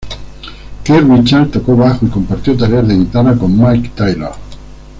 Keith Richards tocó bajo y compartió tareas de guitarra con Mick Taylor.